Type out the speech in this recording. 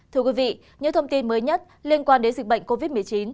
thưa quý vị những thông tin mới nhất liên quan đến dịch bệnh covid một mươi chín